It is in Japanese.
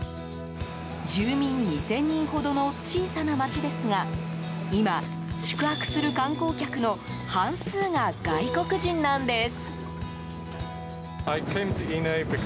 住民２０００人ほどの小さな町ですが今、宿泊する観光客の半数が外国人なんです。